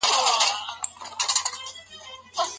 ته زما د دوستانو احترام کوه زه به ستا دوستان ستايم.